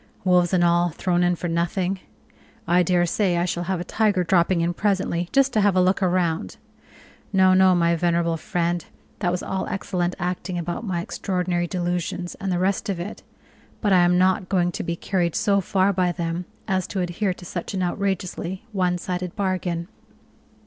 Wolves and all thrown in for nothing! I daresay I shall have a tiger dropping in presently just to have a look round. No, no, my venerable friend, that was all excellent acting about my extraordinary delusions, and the rest of it, but I am not going to be carried so far by them as to adhere to such an outrageously one sided bargain."